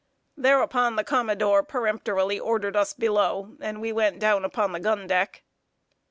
Thereupon the commodore peremptorily ordered us below, and we went down upon the gun deck.